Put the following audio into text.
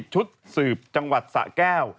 ชุดสืบจังหวัดสะแก้ว